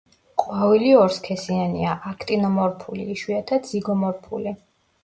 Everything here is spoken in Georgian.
ყვავილი ორსქესიანია, აქტინომორფული, იშვიათად ზიგომორფული.